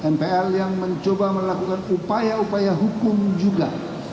mpl yang mencoba melakukan upaya upaya hukum juga